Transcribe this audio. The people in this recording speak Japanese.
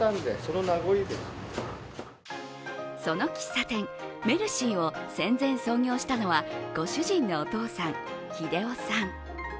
その喫茶店、メルシーを戦前、創業したのはご主人のお父さん・日出男さん。